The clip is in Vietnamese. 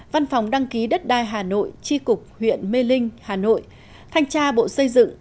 văn phòng đăng ký đất đai hà nội tri cục huyện mê linh hà nội thanh tra bộ xây dựng